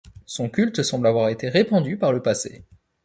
Son culte semble avoir été répandu par le passé.